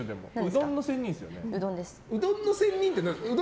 うどんの仙人って何？